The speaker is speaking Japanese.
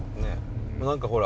何かほら